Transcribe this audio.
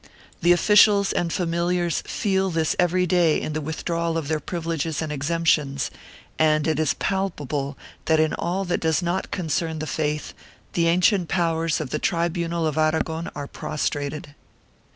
The officials and familiars feel this every day in the withdrawal of their privileges and exemptions, and it is palpable that in all that does not concern the faith, the ancient powrers of the tribunal of Aragon are prostrated.